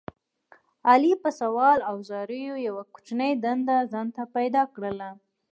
علي په سوال او زاریو یوه کوچنۍ دنده ځان ته پیدا کړله.